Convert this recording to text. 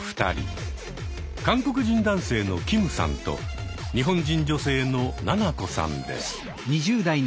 韓国人男性のキムさんと日本人女性のななこさんです。